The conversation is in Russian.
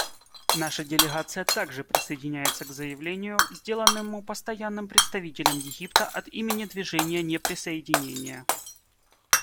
Наша делегация также присоединяется к заявлению, сделанному Постоянным представителем Египта от имени Движения неприсоединения.